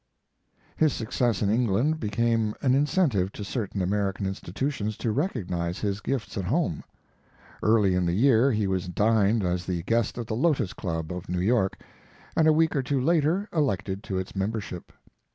His success in England became an incentive to certain American institutions to recognize his gifts at home. Early in the year he was dined as the guest of the Lotos Club of New York, and a week or two later elected to its membership.